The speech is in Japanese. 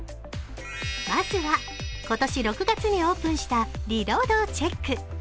まずは今年６月にオープンしたリロードをチェック。